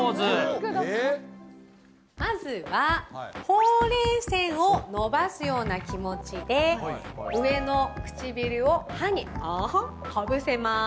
まずはほうれい線を伸ばすような気持ちで、上の唇を歯にかぶせます。